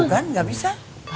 tuh kan gak bisa